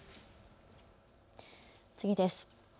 次です。